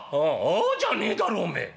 「ああじゃねえだろう！おめえ。